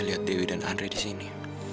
lihat dewi dan andri disini